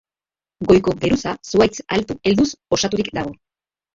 Goiko geruza zuhaitz altu helduz osaturik dago.